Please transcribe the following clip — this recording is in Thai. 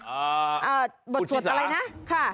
เออบทสวดมนตร์อะไรนะ